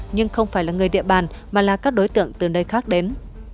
nhưng không phải là người địa bàn mà là các đối tượng từ nơi khác đến